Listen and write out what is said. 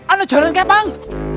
ano jalan kepang